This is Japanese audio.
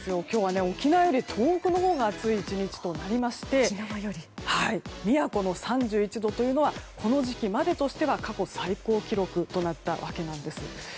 今日は沖縄より暑い１日となりまして宮古の３１度というのはこの時期までとしては過去最高記録となったんです。